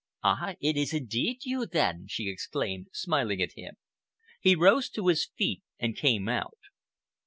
"Ah, it is indeed you, then!" she exclaimed, smiling at him. He rose to his feet and came out.